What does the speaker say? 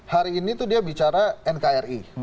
hari ini tuh dia bicara nkri